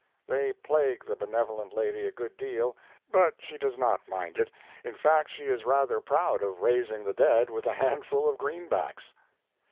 They plague the benevolent lady a good deal, but she does not mind it. In fact, she is rather proud of raising the dead with a handful of greenbacks.